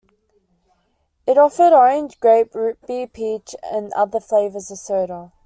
It offered orange, grape, root beer, peach, and other flavors of soda.